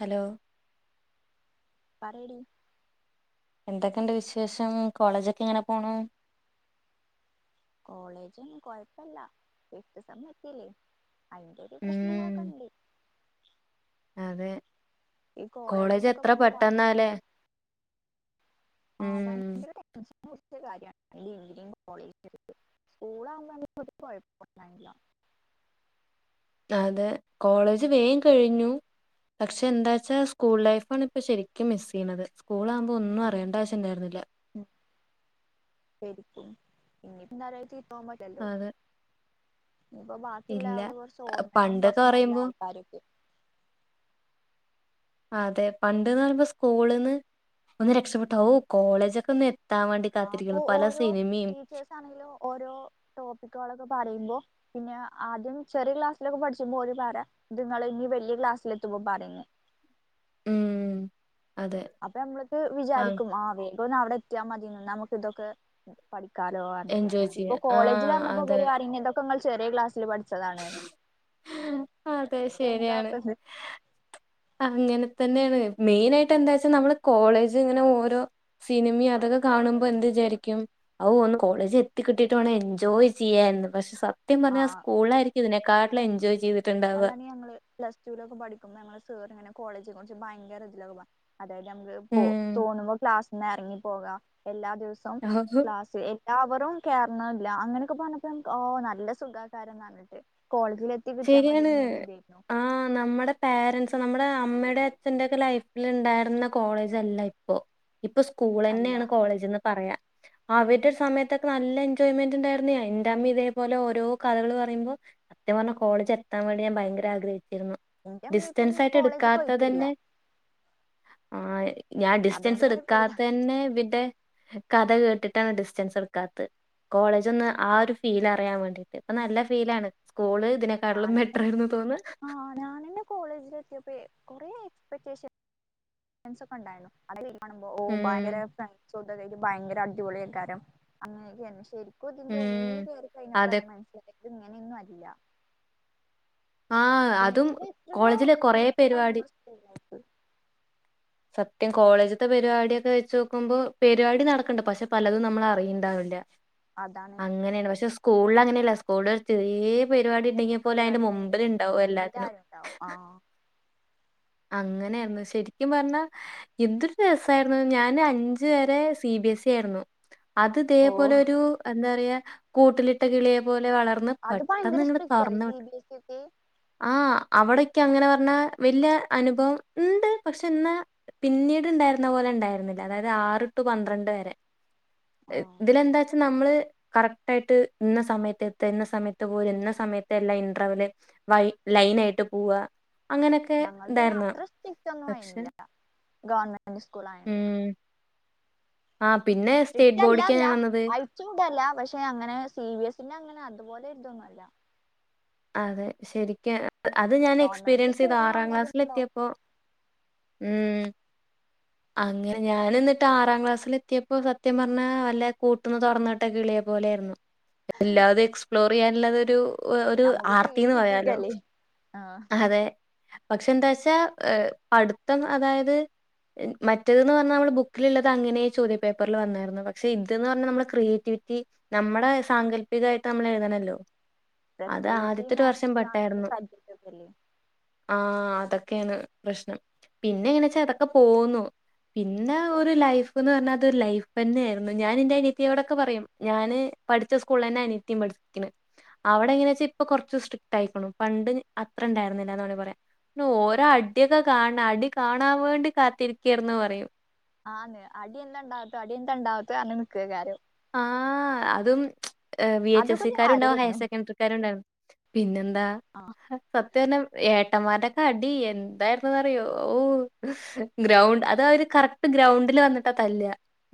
Hello പറയെടി എന്തൊക്കെയുണ്ട് വിശേഷം. കോളേജൊക്കെ എങ്ങനെ പോണു. കോളേജ് ഒന്നും കൊഴപ്പല്ല എ സമയം എത്തില്ലേ അതിന്റെ ഒരു ഉം പ്രശ്നങ്ങളൊക്കെ ഉണ്ട് അതെ ഈ കോളേജ് കോളേജ്ന്നൊക്കെ എത്ര പറഞ്ഞ ഭയങ്കര പെട്ടെന്നാലേ ആ ഉം ഭയങ്കര ടെൻഷറ കാര്യന്റെ എഞ്ചിനീയറി കോളേജ് സ്കൂള് ആകുമ്പോൾ നമുക്ക് കുഴപപ്പം ഉണ്ടായിരുന്നില്ല അതെ കോളേജ് വേം കഴിഞ്ഞു പക്ഷെ എന്താ വച്ചാ സ്കൂൾ ലൈഫാണ് ഇപ്പ ശരിക്കും മിസ് ചെയ്യണുന്നത് സ്കൂൾ ആകുമ്പോ ഒന്നും അറിയേണ്ട ആവശ്യംണ്ടായിരുന്നില്ല ശരിക്കും ഇ പോ പറ്റല്ലോ അതെ ഇപ്പൊ ബാക്കിുള്ള ഇല്ല അടെ കുറച്ച് ഓർമ്മളും പണ്ടൊക്കെ കൊറച്ച് നല്ല പറയുമ്പോ ആൾക്കാരൊക്കെ അതെ പണ്ട്ന്ന് പറയുമ്പോ സ്കൂളന്ന് ഒന്ന് രക്ഷപ്പെട്ടു ഓ കോളേജ്ൊക്കെ ഒന്ന് വേണ്ടി ആ അപ്പൊ കാത്തിരിക്കുന്നു പല ഓരോ സിനിമയും ടീച്ചേഴ ആണിലും ഓരോ ടോപ്പിക്കുകളൊക്കെ പറയുമ്പോൾ പിന്നെ ആദ്യം ചെറിയ ക്ലാസ്സിലൊക്കെ പഠിച്ചുമ്പോൾ ഒരു പര നിങ്ങ ഇനി വലിയ ക്ലാസ്സൽ എത്ത പറരുങ്ങ ഉം അതെ അപ്പൊ നമ്മക്ക് വിചാരിക്കും ആ വേഗം ഒന്ന് അവിടെ എത്തിയാ മതിന്ന് നമുക്ക് ഇതൊക്കെഠിക്ക ാലോ എൻജോയ് ഇപ്പോ ചെയ്യാ ആ കോളേജിൽ വന്നപ്പോ അതെ വരു അങ്ങന്തൊക്കെ നിങ്ങൾ ചെറിയ ക്ലാസ്സിൽ പഠിച്ച താണേന്ന് അതെ ശരിയാണ് ആ അങ്ങനെ തന്നെയാണ് മെയിനായിയിട്ട്ന്താ വെച്ചാൽ നമ്മള് കോളേജ് ഇങ്ങനെ ഓരോ സിനിമയും അതൊക്കെ കാണുമ്പോൾ എാ ഒന്ന് കോളേജ എത്തിക്കിട്ടിട്ട് എൻജോയ് ചെയ്യന്ന് പക്ഷെ ആ സത്യംഞ്ഞൽ സ്കൂള ആായിരിക്കും ഇതിനെക്കാിലെ എൻജോയ് ചെയ്തി് അതാണ് ഞങ്ങള് പ്ലസ് ടുവൊക്കെ പഠിക്കുമ്പോ ഞങ്ങളെ സർ ഇങ്ങനെ കോളേജിനെ കുറിച്ച് ഭയങ്കരിലൊക്കെ അതായത് നമുക്ക് പോ ഉം തോന്നുമ്പോ ക്ലാസ്സി നിന്ന് ഇറങ്ങി പോകാം എല്ലാ ദിവസവും അഹ് ക്ലാസ് അവരും കേറണില്ല അങ്ങനെയൊക്കെ പറഞ്ഞപ്പോ നല്ല സുഖകാരം എന്ന് പറഞ്ഞിട്ട് കോളേജ ശരിയാണ് ആ നമ്മുടെ പോരൻറ്സ് നമ്മ നടെ അമ്മയുടെ അച്ഛന്റെക്കെ ലൈഫിൽ ഉണ്ടായിരുന്ന കോളേജ്ല്ല ഇപ്പൊ ഇപ്പൊ സ്കൂൾ അല്ല തന്നെയാണ് കോളേജ്ന്ന് പറയാം അവരുടെ സമയത്തൊക്കെ നല്ല എൻജോയ്മെന്റ് ഉണ്ടായിരുന്ന എൻന്റെറ അമ്മി ഇതേപോലെ ഓരോ കഥകള് പറയുമ്പോൾ സത്ം പറഞ്ഞാ കോളേജ് എത്തൻ വേണ്ടി ഞാ ഭയങ്കര ആഗ്രഹിച്ചു എന്റെ ഉമ്മീം ഇപ്പീം ഡിസ്റ്റൻസ് പിന്നെ ആയിട്ട് കോളേജ്ക്ക് എടുക്കാത്ത പോയിട്ടില്ല തന്നെ ആ ഞാൻ അതുകൊണ്ട് ഡിസ്റ്റൻസ് കുഴപ്പല്ല എടുക്കാത്ത തന്നെ ഇന്റെ കഥ കേട്ടിട്ടാണ് ഡിസ്റ്റൻസ് എടുക്കാത്ത കോളേജ് ഒന്ന് ആ ഒരു ഫീൽ അറിയാൻ വേണ്ടീട്ട് ഇപ്പൊ നല്ല ഫീലണ് സ്കൂള് ഇതിനെക്കാട്ടിലും ഞാനെ ബെറ്ററായിരുന്നു തോന്നാ. ആ ഞാന എന്റെ കോളേജിൽ എത്തിയപ്പോ കുറെ എക്സ്പെക്േഷൻ ഒക്കെ ഉണ്ടായി അ കാണുമ്പോ ഓ ഭയങ്കര ഉം ഫ്ര ചദ കട്ട് ഭയങ്കര അടിപൊളി ആൾക്കാരം അങ്ങനെയൊക്കെ തന്നെ ശരിക്കും ഇ ഇതിന്റെ ഉള്ളിൽ ഉം കയറി അതെ കഴിഞ്ഞപ്പോഴല്ല മനസ്സിലാക്കത് ഇങ്ങനെയൊന്നും അല്ല ആ അതും ഇതിനെക്കാള എത്രയോ കോളേജിലെ കൊറേ ബെറ്ററ പരിപാടി നമ്മ സ്ക്ക് സത്യം കോളേജത്തെ പരിപാടൊക്കെ വെച്ചച്ച് നോക്കുമ്പോ പരിപാടി നടക്കണ്ട് പക്ഷെ പലതും നമ്മൾ അറിയുണ്ടാവില്ല അതാണ് അങ്ങനെയാണ് പക്ഷെ സ്കൂള അങ്ങനെയല്ല സ്കൂള ചെറിയ പരിപാടി എണ്ടെങ്കിൽ പോലെ അയിന്റെ പരിപാടി മുമ്പിൽ ഉണ്ടെങ്കിലും ഉണ്ടാവും എല്ലാത്തിനും എല്ലാരും ഉണ്ടാവും ആ അങ്ങനെയരുന്നു ശരി എും പറഞ്ഞ എന്തൊരു രസായിരുന്നു ഞാാന് അഞ്ച വരെ സി ബി എസ് ഇ ആയിരുന്നു അത് ഓ ഇതേപോലെ ഒരു എന്താ പറയാ കൂട്ടിലിട്ട കിളിയെ പോലെ വളർന്ന് അത് പെട്ടെന്ന് ഭയങ്കര നിങ്ങെ സ്ട്രിക്റ്റ് അല്ലേ പറന്ന സി വിട്ട ബി എസ് ഇ ഒക്കെ ആ അവിടൊക്കെ അങ്ങനെ പറഞ്ഞാ വലിയ അനുഭവം ഉണ്ട് പക്ഷെ ഇന്ന് പിന്നീട് ഇണ്ടായിരുന്ന പോലെ ഉണ്ടായിരുന്നില്ല അതായത് ആറ് ടു പന്ത്രണ്ട് വരെ ആ ഇതില എന്താച്ച നമ്മള് കറക്ട് ആയിട്ട് ഇന്ന സമയത്ത് എത്തഇന്ന സമയത്ത് പോ, ഇന്ന സമയത്തല്ല ഇൻറർവെൽ വൈ. ലൈന ആയിട്ട് പോവ അങ്ങനെയൊക്കെ ഞങ്ങൾ പിന്നെ ഇടായിരുന്നോ, അത്ര [unintelligible] ഗവൺമെന്റ് സ്കൂൾ ആയണ്ട്. ആ പിന്നെ സ്റ്റേറ്റ് സ്ട്രിക്റ്റ് അല്ല ബോർഡിക്കാ അല്ല ഞാൻ വന്നത്. അയച്ചോണ്ടല്ല. പക്ഷെ അങ്ങനെ സി ബി എസിന്റെ അങ്ങനെ അതുപോലെ ഇതൊന്നുമല്ല. അതെ. ശരിക്ക അത് ഞാൻ നോർമലായിട്ട് എക്സ്പീരിയൻസ് ചെയ്തു. സ്കൂളിൽ ആറാം ക്ലാസ്സില വേണ്ടതുണ്ടാവും എത്തിയപ്പോ ഉം [unintelligible] അങ്ങനെ ഞാൻ എന്നിട്ട് ആറാംക്ലാസ്സൽ എത്തിയപ്പോ സത്യം പറഞ്ഞ വല്ല കൂട്ടന്ന് തുറന്നിട്ടൊക്കെ ഇളിയപ്പോ [unintelligible] വല്ലാതെ എക്സ്പ്ലോർ ചെയ്യാൻ ഉള്ളരു നമുക്ക് ഫ്രീഡം ആർത്തിന്ന് പറയാലോ. കിട്ടിയിക്കല്ലേ ആഹ് അതെ പക്ഷെ എന്താ വച്ചാ. പടുത്തം അതായത് മറ്റേതന്ന്പറഞ്ഞാൽനമ്മള്ബുക്കിലുള്ളത് അങ്ങനെ ചോദ്യ പേപ്പറിൽ വന്നായിരുന്നു. പക്ഷെ ഇദ് ക്രിയേറ്റി പറഞ്ഞൽ നമ്മള് ക്രിയേറ്റീ നമ്മുടെ സാങ്കല്പികമായിട്ട് നമ്മൾ എഴുതണല്ലോ. പ്രത്യേകി [unintelligible] വർഷം പെട്ടായിരുന്നു. ആതൊ [unintelligible] യാണ് പ്രശ്നം പിന്നെ എങ്ങനെ വെച്ചാൽ അതൊക്കെ പോക്കുന്നു. പിന്നെ ഓ ഒരു ലൈഫ്ന്ന് പറഞ്ഞാ ലൈഫ് തന്നെ ആയിരുന്നു. ഞാൻ ന്റെ അനിയത്തിയോടൊക്കെ പറയും. ഞാന് പഠിച്ച സ്കൂളില്തന്നെ അനിയത്തിയം പഠിക്കണ്. അവിടെഎങ്ങനെയാവച്ചാ, ഇപ്പൊകൊറച്ചു സ്ട്രിക്ട് ആയിക്കണു, പണ്ട് അത്ര ഉണ്ടായിരുന്നില്ലാന്ന് പറയ. ഓരോ അടിയൊക്കെ കാണ. അടി കാണാൻ വേണ്ടി കാത്തിരിക്കർന്ന് പറയും. ആന്ന്. അടി എന്താണ്ടാവത്തോ അടിയ എന്താ ഉണ്ടാവത്ത നിന്ന് നിക്കയ്ക്കാരം. ആ് അതും ബി എച്ച് എസ് അതൊക്കെ ഒരു സിക്കാരുണ്ടാവും ഹയർ ഹരായിരുന്നു സെക്കൻറിക്കാരുണ്ടാവും, പിന്നെ ആഹ് സ ഇന്നെ ഏട്ടന്മാരുടെക്കെ അടി എന്തായിുന്നന്ന്റിയോ ഓ ഗ്രൗണ്ട് അതായത് കറക്ട് ഗ്രൗണ്ടിൽ വന്നിട്ട തല്ല,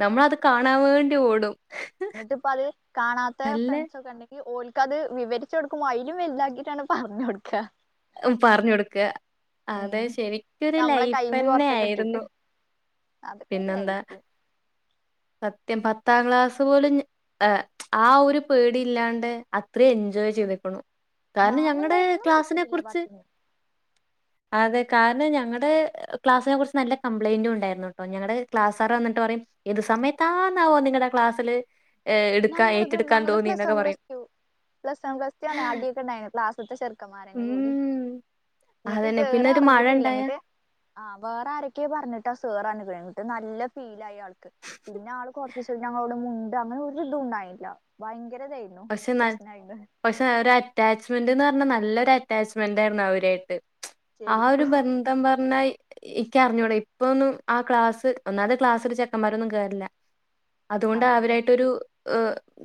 നമ്മളത് കാണാൻ വേണ്ടി ഓടും. എന്നിട്ടിപ്പ അത് കാണാത്ത നല്ല ഫ്രണ്ട്സ ഒക്കെ ഉണ്ടെങ്കിൽഓല്ക്ക്അത് വിവരിച്ചു കൊടുക്കുമ്പോൾ, അതിലും വലതാക്കിയിട്ടാണ് പറഞ്ഞ് കെടുക്ക കൊടുക്കുക. ഉം. പറഞ്ഞു കൊടുക്ക. അതെ ഉം ശരിക്കൊരു ലൈഫ് തന്നെ ആയിരുന്നു. അതൊക്കെരു പിന്നെന്താ ലൈഫ്. സത്യം പത്താം ക്ലാസ് പോലും ആ. ഒരു പേടി ഇല്ലാണ്ട് അത്രയും എൻജോയ് ചെയ്തേക്ക്ണ്. കാരണം, ഞങ്ങളുടെ ക്ലാസിനെ കുറി ഉ അതെകാരണംഞങ്ങളുടെക്ലാസിനെ കുറിച്ച് നല്ല കംപ്ലയിന്റും ഉണ്ടായിരുട്ടോ. ഞങ്ങളടെ ക്ലാസ്റ എന്നിട്ട് പറയും ത് സമയത്താന്നാവോ നിങ്ങളുടെ ക്ലാസ്സില് എടുക്കാ ഞങ്ങളത് ഏറ്റെടുക്കാൻ ഞങ്ങളത് തോന്നി പ്ലസ് വൺ എന്നൊക്കെ പ്ലസ് പറയും. ടു പ്ലസ് വൺ പ്ലസ്റ്റു അടിയെക്കെണ്ടായി, ക്ലാസിലെ ചെറുക്കൻമാര് കൂടി. ഉം. എന്നിട്ട് അതന്നെ. പിന്നെ സേറെ ഒരു മഴ അറിഞ്ഞിട്ടുംല്ല. ഇണ്ടായ എന്നങ്ങിട്ട് വേറെ ആരൊക്കെ പറഞ്ഞിട്ടാ സേറ് നിട്ട് നല്ല ഫീല ആയി ആൾക്ക്. പിന്നെ ആൾ കുറച്ചസം മുണ്ട അങ്ങ [unintelligible] ഉണ്ടായില്ല ഭയങ്ക പക്ഷെ പക്ഷെ. ഒരു അറ്റാച്ച്മെന്റ്ന്ന് പറഞ്ഞാ നല്ല അറ്റാച്ച്മെന്റ് ആയിരുന്നു അവരായിട്ട്. ആ ഒരു ശരിക്കും ബന്ധം പറഞ്ഞാ ഇക്ക അറിഞ്ഞൂട. ഇപ്പൊന്നും ആ ക്ലാസ് ഒന്നാമത്തെ ക്ലാസ്സില് ചെക്കന്മാരൊന്നും കേറില്ല. അതുകൊണ്ട് അതാണ് അവരായിട്ടൊരു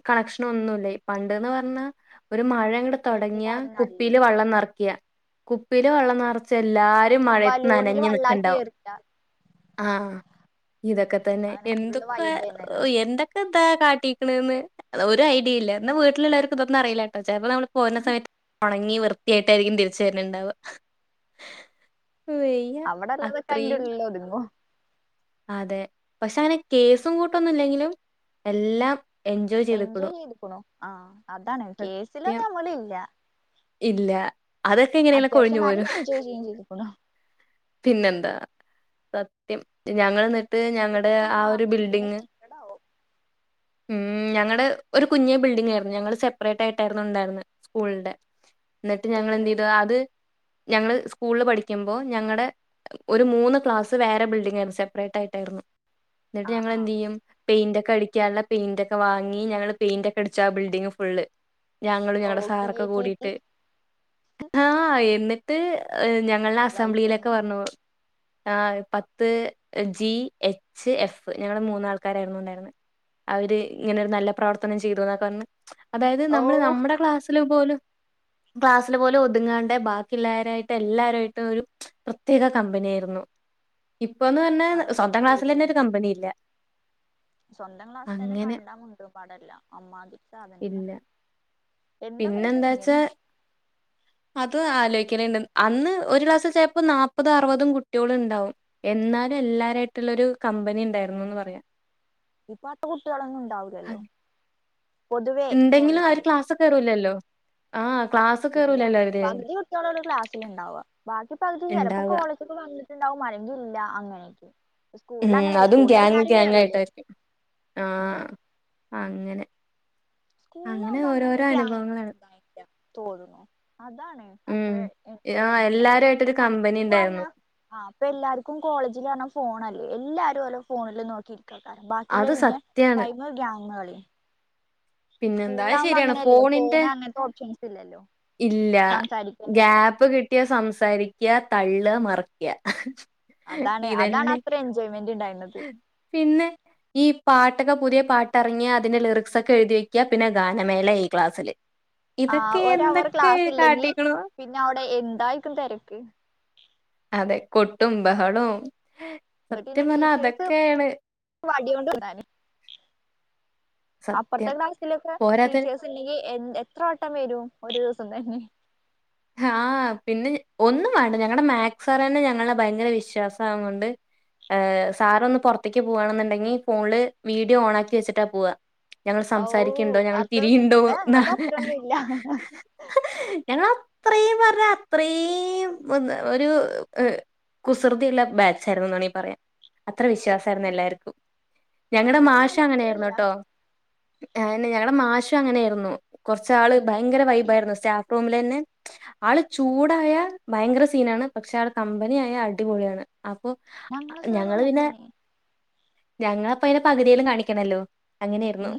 കണക്ഷന ഒന്നല്ലേ. പണ്ടന്ന് പറഞ്ഞാ ഒ മഴങ്ങട്ട് തെടങ്ങിയ എല്ലാരും നല്ലേ കുപ്പില് വള്ളം നറക്ക്യ. കുപ്പില് വെള്ള നിറച്ച എല്ലാരും മഴയത്ത് ബലൂണില് നനഞ്ഞു വെള്ളാക്കി നിക്ക്ണ്ടാവും. എറില്ല ആഹ. ഇതൊക്കെ തന്നെ അങ്ങനെ ഫുള്ള് എന്തൊക്കെ വൈബേന്നല്ലോ എന്തൊ. താ കാട്ടിണന്ന് ഒരു ഐഡിയ ഇല്ല എന്നാ വീട്ടിലുള്ളവർക്ക് ഇതൊന്നും അറിയില്ലാട്ടോ. ചപ്പോ നമ്മൾ പോുന്ന സമയത്ത് ഉണങ്ങി വൃത്തിയായിട്ടായിരിക്കും തിരിച്ച വരണുണ്ടാവ. വെയ്യ അവിടെള്ളതൊക്കെ അയിന്റെ അത്രീം. ഉള്ളിൽ ഒതുങ്ങും അതെ പക്ഷെ അങ്ങനെ കേസും കൂട്ടൊന്നും ഇല്ലെങ്കിലും എല്ലാം എൻജോയ് ചെയ്ത്ക്കണു ആഹ അതാണ് സത്യം. കേസിലൊന്നും നമ്മള് ഇല്ല ഇല്ല അതൊക്കെ ഇങ്ങനെയല്ലാം ഒഴിഞ്ഞു നല്ല പോരും എൻജോയ് ചെയ്യും ചെയ്തുക്കുണു പിന്നെന്താ സത്യം ഞങ്ങൾ അതൊക്കെ ഞങ്ങളുടെ ഇപ്പൊ ആ ഒന്ന് ഒരു ആലോചിക്കുമ്പോ ബിൽഡിങ് സങ്കടാവും ഉം ഞങ്ങളുടെ ഒരു കുഞ്ഞ് ബിൽഡിംഗ് ആയിരുന്നു ഞങ്ങള് സെപ്പറേറ്റ് ആയിട്ടായിരുന്നു ഉണ്ടായിരുന്നു സ്കൂളിന്റെ എന്നിട്ട് ഞങ്ങള് ഏത് എന്ത് ചെയ്തു അത് ഞങ്ങള്ൾ സ്കൂളിൽ പഠിക്കുമ്പോൾ ഞങ്ങളടെ ഒരു മൂന്ന് ക്ലാസ് വേറെ ബിൽഡിംഗ ആയിരുന്നു സെപ്പറേറ്റ് ആയിട്ട് എന്നിട്ട് ആ ഞങ്ങള് ആ എന്ത് ചെയ്യും പെയിന്റ് ഒക്കെ അടിക്കാനുള്ള പെയിന്റ് ഒക്കെ വാങ്ങി ഞങ്ങള് പെയിന്റ് ഒക്കെ അടിച്ചു ആ ബിൽഡിംഗ് ഫുള് ഞങ്ങളും ഓ ഞങ്ങളുടെ സാറൊക്കെ ക്രിയേറ്റിവിറ്റി കൂടിട്ട് ആ എന്നിട്ട് ഞാ ഞങ്ങളുടെ ലൈഫ് അസംബ്ലിയിലൊക്കെ തന്നെ പറഞ്ഞ പോ ആ പത്ത് ജി എച്ച് എഫ് ഞങ്ങളുടെ മൂന്നാൾക്കാരായിരുന്നു ഉണ്ടായിരുന്നെ അവര് ഇങ്ങനെരു നല്ല പ്രവർത്തനം ചെയ്തുന്നൊക്കെ പറഞ്ഞ് അതായത് ഓ നമ്മള് നമ്മുടെ ക്ലാസ്സിലും പോലും ക്ലാസ്സില് പോലെ ഒതുങ്ങാണ്ട് ബാക്കിുള്ളാവരായിട്ട് എല്ലാവരുആയിട്ടും ഒരു പ്രത്യേക കമ്പനി ആയിരുന്നു [inaudible] ഇപ്പൊന്ന് പറഞ്ഞാ അതൊക്കെ സ്വന്തം ക്ലാസിലന്നെ തന്നെ ഒരു സ്കൂളിലന്നെ കമ്പനിയില്ല സ്വന്തം ക്ലാസ് തന്നെ കണ്ടാ മുണ്ടോ പാടല്ല അമ്മാതി സാധനങ്ങൾ എന്താവരൊക്കെ പിന്നെന്താ വച്ചാ ഇങ്ങനെ അത് ആലോച അന്ന് ഒരു ക്ലാസ്സ്‌ ചിലപ്പോ നാപ്പതും അറുപതും കുട്ടികളും ഉണ്ടാവും എന്നാലും എല്ലാരയിട്ടുള്ള ഒരു കമ്പനി ഉണ്ടായിരുന്നുന്ന് പറയാം ഇപ്പൊത്തെ കുട്ടികളൊന്നും ഉണ്ടാവില്ലല്ലോ ഇണ്ടങ്കിലും അവര് ക്ലാസ് കേറൂല്ലല്ലോ ആ ഇല്ല പകുതി കുട്ട്യേൽ ഒരു ക്ലാസ്സിൽ ഉണ്ടാവ ബാക്കി പകുതി ചിലപ്പോ ഇണ്ടാവ കോളേജ് ക്ക് വന്ന ണ്ടാവും മരങ്കല്ല അങ്ങനെയക്ക് ഉം അതും ക്യാങ്ങ് ക്യാങ് ആയിട്ടായിരിക്കും ഉം ആഹ അങ്ങനെ സ്കൂളിലാകുമ്പോ അങ്ങനെ ഓരോരോ അനുഭവങ്ങളാണ് ഗ തോന്നുന്നു അതാണ് അത്ര ഉം അപ്പ ആഹ് എല്ലാരു ആയിട്ടൊരു കമ്പനി പറഞ്ഞ ഇണ്ടായിരുന്നു ആപ്പൊ എല്ലാർക്കും കോളേജിൽ എല്ലാർക്കും ഫോണല്ലേ എല്ലാരും ഓരോ ഫോണിൽ നോക്കിയിരിക്ക കാരണം ബാക്കിയുള്ള അത് പിന്നെ സത്യാണ് ടൈമ ഗ്യാങ്ങ പിന്നെന്താ സ്കൂളില അത് ആകുമ്പോ ശരിയാണ് അങ്ങനെയല്ലല്ലോ ഫോണിന്റെ ഫോണ് അങ്ങനത്തെ ഓപ്ഷൻസ് ഇല്ലല്ലോ ഇല്ല സംസാരിക്കാനല്ലേ ഗ്യപ്പ് കിട്ടിയാ സംസാരിക്ക തള്ള മറിക്ക അതാണ് അതാണ് ഇതന്നെ അത്ര എൻജോയ്മെന്റ് ഉണ്ടായിരുന്നത് പിന്നെ ഈ പാട്ടൊക്കെ പുതിയ പാട്ട്റങ്ങിയ അതിന്റെ ലിറിക്സ് ഒക്കെ എഴുതിയക്കും പിന്നെ ഗാനമേള ആയി ക്ലാസ്സില് ആ ഇതൊക്കെ ഒര് അവർ എന്തൊക്കെ ക്ലാസ് ഇല്ലെങ്കി കാട്ടിക്ക്ണു പിന്നെ അവിടെ എന്തായിരിക്കും തിരക്ക് അതെ കൊട്ടും ബഹളവും എന്നിട്ടന്നെ സത്യം പറഞ്ഞാ ടീച്ചേഴസ് അതൊക്കെയാണ് വടി കൊണ്ട് അപ്പറത്തെ സത്യം. ക്ലാസ്സിലൊക്കെ പോരാത്തന് ടീച്ചേയ്സ് ഇല്ലെങ്കിൽ എ എത്ര വട്ടം വരും ഒരു ദിവസം തന്നെ ആ പിന്നെ ഒന്നും വേണ്ട ഞങ്ങളടെ മാക്സ് സർ തന്നെ ഞങ്ങളെ ഭയങ്കര വിശ്വാസംമാവുന്നുണ്ട് സാറ് ഒന്ന് പുറത്തേക്ക് പോകവാണെന്നുണ്ടെങ്കി ഫോണില് വീഡിയോ ഓൺ ആക്കി വെച്ചിട്ടാ പോവാ ഞങ്ങൾ ഓ സംസാരിക്കുന്നുണ്ടോ ഞങ്ങൾ അത്രൊന്നും തിരിയുണ്ടോ ന്നാ എന്ന ഞങ്ങൾത് അത്രൊന്നും ഇല്ല ഞങ്ങ അത്രയും പറ അത്രയും ഒരു കുസൃതിയുള്ള ബാചായിരുന്നു പറയാൻ അത്ര വിശ്വാസമായിരുന്ന എല്ലാർക്കും ഞങ്ങളുടെ മാഷ ഞങ്ങൾതെന്നാല് അങ്ങനൊയിരുന്നു അത്രല്ല കേട്ടോ ഞങ്ങളുടെ മാഷ അങ്ങനെയായിരുന്നു കൊറച്ച ആള് ഉം ഭയങ്കര വൈബായിയിരുന്നു സ്റ്റാഫ് റൂമിൽ തന്നെ ആള് ചൂടായ ഭയങ്കര സീനാണ് പക്ഷെ ആള് കമ്പനിയായ അടിപൊളിയാണ് അപ്പൊ ഞങ്ങളെ സാറും ഞങ്ങള് അങ്ങനെ പിന്നെ തന്നെ ഞങ്ങളപ്പം അയിന്റെ പകുതിയെങ്കിലും കാണിക്കണല്ലോ അങ്ങനെയായിരുന്നു ഉം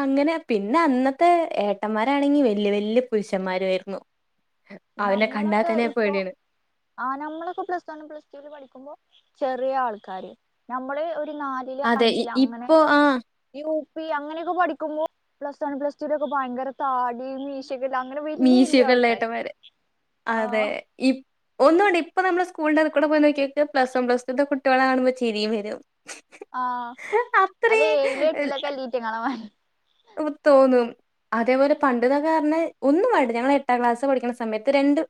അങ്ങനെ പിന്നെ അന്നത്തെ ഏട്ടന്മാരാണെങ്കി വല്യ വല്യ പുരുഷന്മാരായിരുന്നു നമ്മളൊക്കെ ഇപ്പൊ ആ നമ്മളൊക്കെ പ്ലസ് തണ് പ്ലസ് ടുവിൽ പഠിക്കുമ്പോ ചെറിയ ആൾക്കാാര് നമ്മള് ഒരു നാലില് അതെ ഇ അഞ്ചില് അങ്ങനെ ഇപ്പൊ ആഹ് ഈ അങ്ങനെയൊക്കെ പഠിക്കുമ്പോൾ പ്ലസ് വൺ പ്ലസ് ടുവി ഒക്കെ ഭയങ്കര താട അങ്ങനെ വലിയ വലിയ മീശയൊക്കെള്ള ആൾക്കാാര് ഏട്ടന്മാര്. അതെ ഈ ഒന്നുണ്ട് ഇപ്പ നമ്മള് സ്കൂളിന്റെ അത് കൂടെ പോയി നോക്കിയൊക്കിയ പ്ലസ് വൺ പ്ലസ്ടു ന്റെ കുട്ടികള കാണുമ്പോ ചിരിയും വരും ആഹ് അല്ലെ ഏഴിലും അത്രേം എലട്ടിലൊക്കെ ലീറ്റ കാണമാതി തോന്നും അതേപോലെ പണ്ടിതക്ക പറഞ്ഞ ഒന്നും വേണ്ട ഞങ്ങൾ എട്ടാം ക്ലാസ് പഠിക്കണ സമയത്ത് രണ്ട്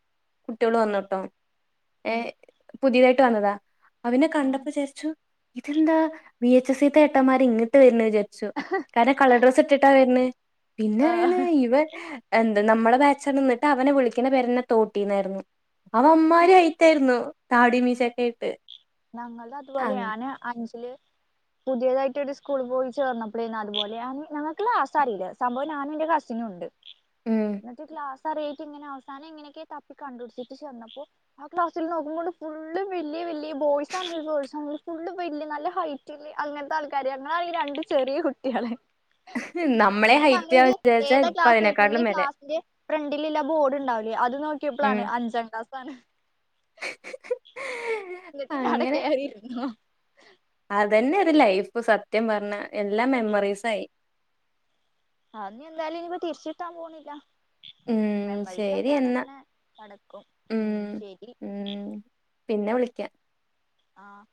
കുട്ടികൾ വന്നു കേട്ടോ ഉം ഏഹ് പുതിയതായിട്ട് വന്നതാ അവനെ ആഹ് കണ്ടപ്പോ വിചാരിച്ചു ഇതെന്താ വി. എച്. സി ത്തെ ഏട്ടന്മാര് ഇങ്ങിട്ട് വരുന്ന വിചാരിച്ചു കാരണം കളർ ഡ്രസ്സ് ഇട്ടിട്ടാ വരണേ പിന്നെ അറിയാണ് ആഹ് ഇവൻ എന്ത് നമ്മളെ ബാച്ചാണ് എന്നിട്ട് അവനെ വിളിക്കുന്ന പെരന്നെ തോട്ടീന്നായിരുന്നു അവമ്മാര് അയിത്തായിരുന്നു താടിമീശേക്കെയായിട്ട് ഞങ്ങള് അതുപോലെയാണ് ഞാന് അഞ്ചില് പുതിയതായിട്ട് ഒരു സ്കൂൾ പോയി ചേർന്നപ്പഴേന്ന അതുപോലെ ഞങ്ങൾക്ക് ലാസ്റ്റ് അറിയില്ല സംഭവം ഞാനും എന്റെ കസിനുംണ്ട് ഉം [unintelligible] ക്ലാസ് [unintelligible] ഇങ്ങനെ അവസാനം എങ്ങനെയൊക്കെ തപ്പി കണ്ട് പിടിച്ചിട്ട് ചെന്നപ്പോൾ ആ ക്ലാസ്സിൽ നോക്കുമ്പോ ഫുള്ള് വലിയ വലിയ ബോയ്സ് ആണെങ്കിലും ഗേൾസ് ആണെങ്കിലും ഫുള് വല്യ നല്ല ഹൈറ്റ് അങ്ങനത്തെ ആൾക്കാര് ഞങ്ങളാണെങ്കിൽ രണ്ട് ചെറിയ കുട്ടികള് ഉം ഇത് ഞങ്ങളിത് ഏതാ ക്ലാസ് പിന്നെ അതിനെക്കാട്ടിലും മേലെ ക്ലാസ്സിന്റെ ഫ്രണ്ടിലില്ല ബോർഡ് ഉണ്ടാവില്ലേ അത് നോക്കിയപ്പൊ ഉം പ്പളാണ് അഞ്ചാം ക്ലാസ് ആണ് എന്നിട്ട് ഞാൻ അവിടെ അങ്ങനെ കേറി ഇരുന്നു അതന്നെ ഒരു ലൈഫ് സത്യം പറഞ്ഞ എല്ലാ മെമ്മറീസും ആയി അത് എന്തായാലും ഇനിപ്പോ തിരിച്ചിട്ടാൻ പോണില്ല ഉം ശരി മെമ്മറീസായിട്ട് അവിടെ എന്നാ ഇങ്ങനെ കിടക്കും ഉം ശരി ഉം പിന്നെ വിളിക്കാം ആഹ്